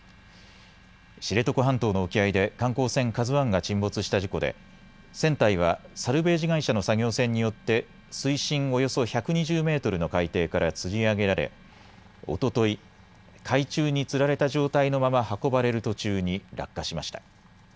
知床半島の沖合で観光船、ＫＡＺＵＩが沈没した事故で船体はサルベージ会社の作業船によって水深およそ１２０メートルの海底からつり上げられおととい海中につられた状態のまま運ばれる途中に落下しました。